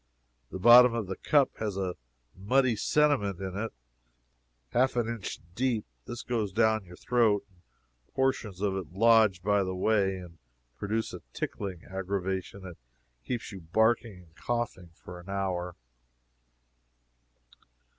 The bottom of the cup has a muddy sediment in it half an inch deep. This goes down your throat, and portions of it lodge by the way, and produce a tickling aggravation that keeps you barking and coughing for an hour.